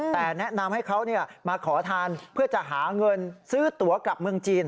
แต่แนะนำให้เขามาขอทานเพื่อจะหาเงินซื้อตัวกลับเมืองจีน